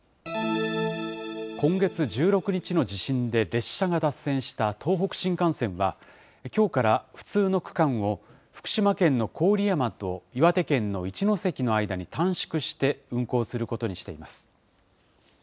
今月１６日の地震で、列車が脱線した東北新幹線は、きょうから不通の区間を福島県の郡山と岩手県の一ノ関の間に短縮して運行することにしています。